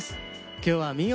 今日は「民謡魂」